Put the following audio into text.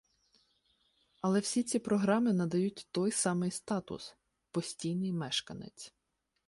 Але всі ці програми надають той самий статус — «постійний мешканець»